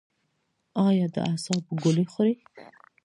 ایا د اعصابو ګولۍ خورئ؟